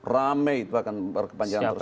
rame itu akan berkepanjangan terus